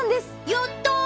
やった！